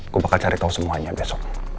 gue bakal cari tahu semuanya besok